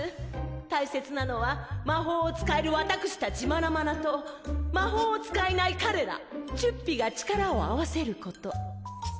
大切なのは魔法を使える私たちマナマナと魔法を使えない彼らチュッピが力を合わせること。